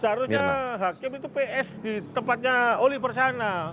seharusnya hakim itu ps di tempatnya oliver sana